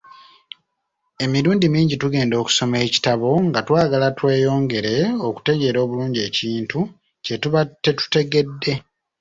Emirundi mingi tugenda okusoma ekitabo nga twagala tweyongere okutegeera obulungi ekintu kye tuba tetutegedde.